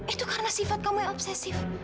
itu karena sifat kamu yang obsesif